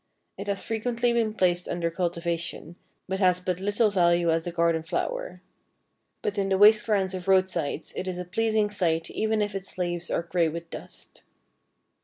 It has frequently been placed under cultivation, but has but little value as a garden flower. But in the waste grounds of roadsides it is a pleasing sight even if its leaves are gray with dust.